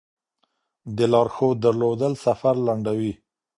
د لارښود درلودل سفر لنډوي.